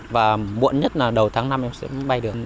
và muộn nhất là đầu tháng năm em sẽ bay được